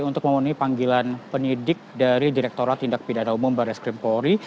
untuk memulai panggilan penyidik dari direkturat tindak pidana umum barres vimpori